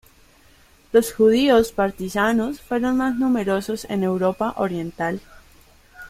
Los judíos partisanos fueron más numerosos en Europa Oriental.